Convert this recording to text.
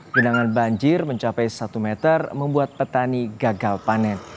genangan banjir mencapai satu meter membuat petani gagal panen